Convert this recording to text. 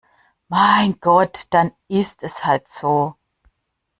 Mein Gott, dann ist es halt so!